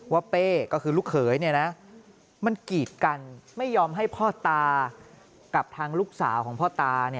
เป้ก็คือลูกเขยมันกีดกันไม่ยอมให้พ่อตากับทางลูกสาวของพ่อตา